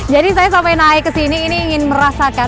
jadi saya sampai naik ke sini ini ingin merasakan